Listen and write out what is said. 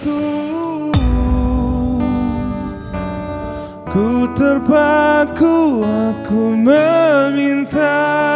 aku terpaku aku meminta